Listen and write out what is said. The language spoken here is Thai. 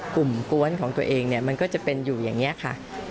กวนของตัวเองเนี่ยมันก็จะเป็นอยู่อย่างนี้ค่ะ